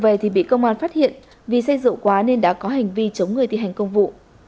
vậy thì bị công an phát hiện vì xe rượu quá nên đã có hành vi chống người thi hành công vụ